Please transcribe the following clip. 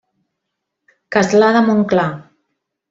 Castlà de Montclar.